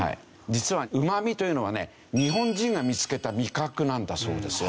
実はうま味というのはね日本人が見付けた味覚なんだそうですよ。